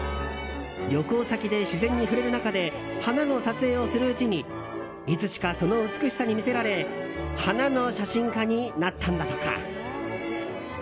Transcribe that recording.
旅行先で自然に触れる中で花の撮影をするうちにいつしか、その美しさに魅せられ花の写真家になったのだとか。